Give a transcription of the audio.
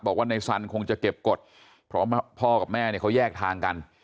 บอกว่านายสันคงจะเก็บกฎเพราะว่าพ่อกับแม่เขาแยกทางกัน